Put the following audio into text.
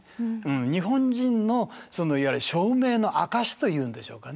日本人のそのいわゆる証明の証しというんでしょうかね